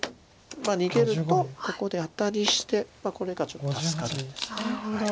逃げるとここでアタリしてこれがちょっと助かるんです。